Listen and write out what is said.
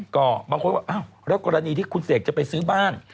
ก็บางคนว่าอ้าวแล้วกรณีที่คุณเสกจะไปซื้อบ้าน